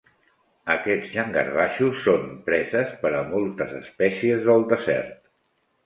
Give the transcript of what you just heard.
Aquests llangardaixos són preses per a moltes espècies del desert.